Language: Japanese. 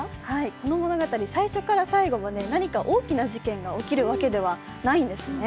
この物語、最初から最後まで何か大きな事件が起きるわけじゃないんですね。